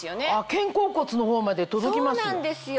肩甲骨の方まで届きますよ。